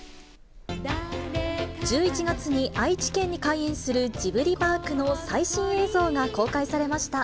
１１月に愛知県に開園するジブリパークの最新映像が公開されました。